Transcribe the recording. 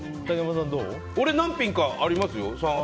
俺、何品かありますよ。